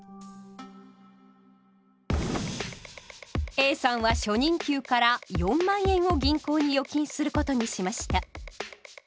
Ａさんは初任給から４万円を銀行に預金することにしました。